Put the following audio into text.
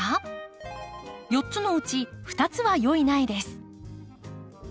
４つのうち２つは良い苗です。